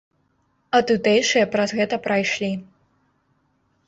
А тутэйшыя праз гэта прайшлі.